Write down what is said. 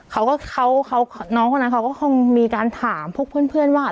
เขาก็เขาน้องคนนั้นเขาก็คงมีการถามพวกเพื่อนว่า